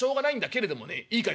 けれどもねいいかい？